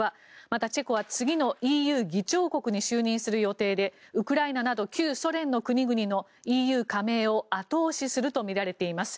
また、チェコは次のＥＵ議長国に就任する予定でウクライナなど旧ソ連の国々のＥＵ加盟を後押しするとみられています。